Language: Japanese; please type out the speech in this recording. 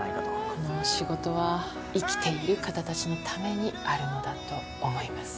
「この仕事は生きている方たちのためにあるのだと思います」